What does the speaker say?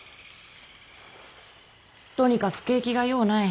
とにかく景気がようない。